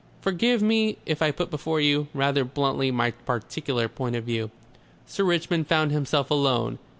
Forgive me if I put before you, rather bluntly, my particular point of view." Sir Richmond found himself alone.